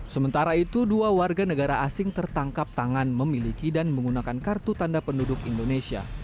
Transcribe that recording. sementara itu dua warga negara asing tertangkap tangan memiliki dan menggunakan kartu tanda penduduk indonesia